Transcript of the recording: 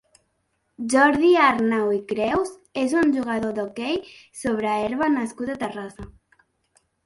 Jordi Arnau i Creus és un jugador d'hoquei sobre herba nascut a Terrassa.